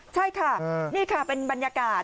ใช่ค่ะนี่ค่ะเป็นบรรยากาศ